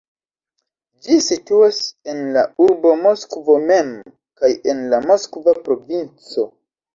Ĝi situas en la urbo Moskvo mem kaj en la Moskva provinco.